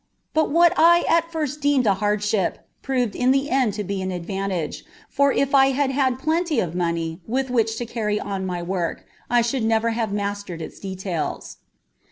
But what I at first deemed a hardship proved in the end to be an advantage, for if I had had plenty of money with which to carry on my work, I should never have mastered its details.